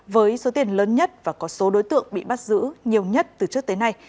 với số tiền lớn nhất và có số đối tượng bị bắt giữ nhiều nhất từ trước tới nay